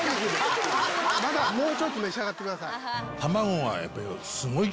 まだもうちょっと召し上がってください。